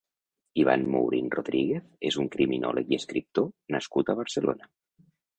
Ivan Mourin Rodríguez és un criminòleg i escriptor nascut a Barcelona.